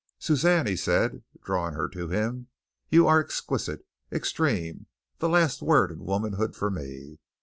"Suzanne," he said, drawing her to him. "You are exquisite, extreme, the last word in womanhood for me.